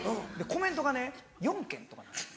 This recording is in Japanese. コメントがね４件とかなんです。